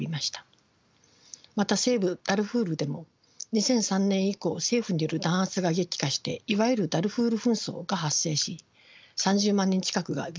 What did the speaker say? また西部ダルフールでも２００３年以降政府による弾圧が激化していわゆるダルフール紛争が発生し３０万人近くが犠牲となりました。